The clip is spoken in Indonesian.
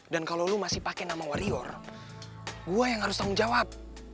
dan kalau lo masih pake nama wario gue yang harus tanggung jawab